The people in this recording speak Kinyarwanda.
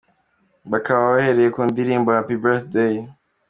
Bakaba bahereye ku ndirimbo Happy Birthday.